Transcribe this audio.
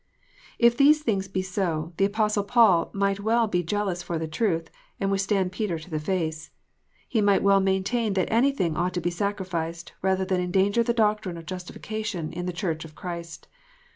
If these things be so, the Apostle Paul might well be jealous for the truth, and withstand Peter to the face. He might well maintain that anything ought to be sacrificed, rather than endanger the doctrine of justification in the Church of Christ.